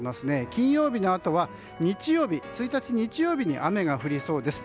金曜日のあとは１日、日曜日に雨が降りそうです。